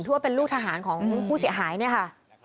ว่าเป็นลูกทหารของผู้เสียหายเนี่ยค่ะ